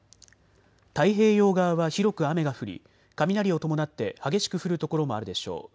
太平洋側は広く雨が降り雷を伴って激しく降る所もあるでしょう。